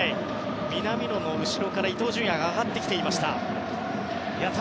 南野の後ろから伊東純也が上がってきていました。